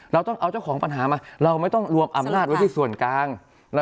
เราต้องเอาเจ้าของปัญหามาเราไม่ต้องรวมอำนาจไว้ที่ส่วนกลาง